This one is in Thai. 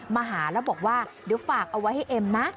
มาหาแล้วบอกว่าเดี๋ยวฝากเอาไว้ให้เอ็มนะ